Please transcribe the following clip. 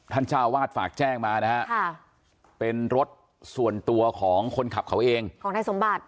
เจ้าวาดฝากแจ้งมานะฮะเป็นรถส่วนตัวของคนขับเขาเองของนายสมบัติ